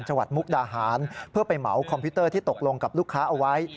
มุกดาหารเพื่อไปเหมาคอมพิวเตอร์ที่ตกลงกับลูกค้าเอาไว้